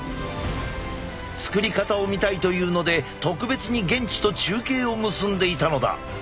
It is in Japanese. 作り方を見たいというので特別に現地と中継を結んでいたのだ。